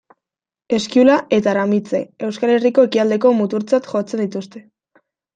Eskiula eta Aramitse, Euskal Herriko ekialdeko muturtzat jotzen dituzte.